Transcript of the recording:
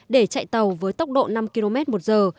để chạy tàu với tốc độ năm km một giờ